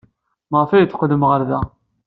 Maɣef ay d-teqqlem ɣer da?